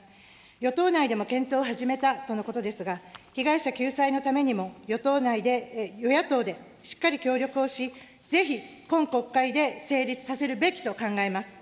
与党内でも検討を始めたとのことですが、被害者救済のためにも与党内で、与野党で、しっかり協力をし、ぜひ今国会で成立させるべきと考えます。